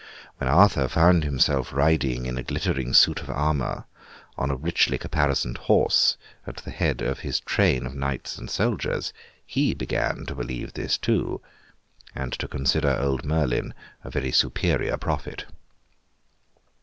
When Arthur found himself riding in a glittering suit of armour on a richly caparisoned horse, at the head of his train of knights and soldiers, he began to believe this too, and to consider old Merlin a very superior prophet.